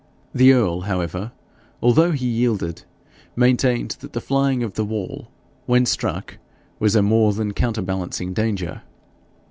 The earl, however, although he yielded, maintained that the flying of the wall when struck was a more than counterbalancing danger.